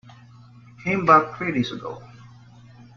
Came back three days ago.